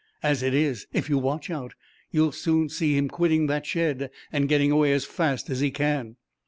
As it is, if you watch out, you'll soon see him quitting that shed and getting away as fast as he can."